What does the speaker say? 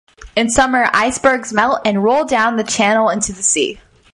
In summer, icebergs melt and roll down the channel into the sea.